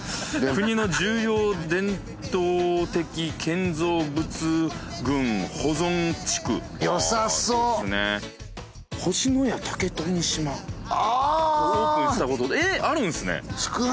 国の重要伝統的建造物群保存地区よさそうああオープンしたことでえあるんすね